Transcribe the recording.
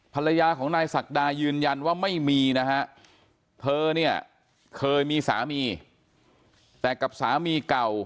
ภรรยาของนายศักดายืนยันว่าไม่มีนะฮะเธอนี่เคยมีสามี